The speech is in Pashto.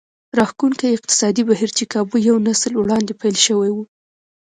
راښکوونکي اقتصادي بهير چې کابو يو نسل وړاندې پيل شوی و.